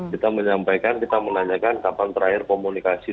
kita menyampaikan kita menanyakan kapan terakhir komunikasi